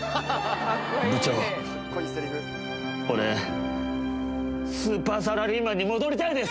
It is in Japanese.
部長、俺、スーパーサラリーマンに戻りたいです。